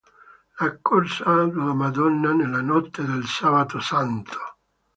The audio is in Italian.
La corsa della Madonna nella notte del sabato santo.